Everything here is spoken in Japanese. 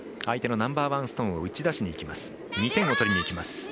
相手のナンバーワンストーンを打ち出しにいきます。